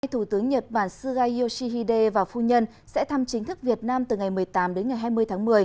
thủ tướng nhật bản suga yoshihide và phu nhân sẽ thăm chính thức việt nam từ ngày một mươi tám đến ngày hai mươi tháng một mươi